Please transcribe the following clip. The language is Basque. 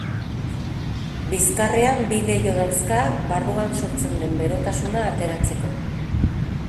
Bizkarrean bi leiho dauzka barruan sortzen den berotasuna ateratzeko.